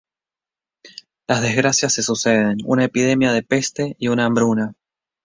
Las desgracias se suceden: una epidemia de peste y una hambruna.